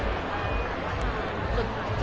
ก็ก็คงตัวรอดลงนะคะ